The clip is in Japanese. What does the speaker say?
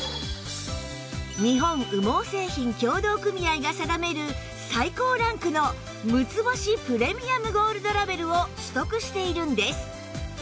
日本羽毛製品協同組合が定める最高ランクの６つ星プレミアムゴールドラベルを取得しているんです